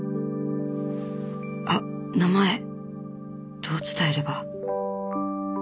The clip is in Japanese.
あっ名前どう伝えれば。